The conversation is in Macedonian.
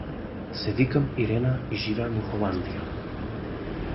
Се викам Ирена и живеам во Холандија.